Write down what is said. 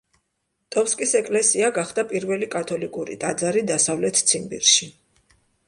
ტომსკის ეკლესია გახდა პირველი კათოლიკური ტაძარი დასავლეთ ციმბირში.